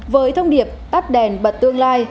với thông điệp tắt đèn bật tương lai